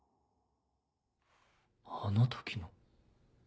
あの時の？